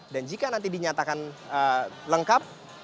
dan jika nanti dinyatakan lengkap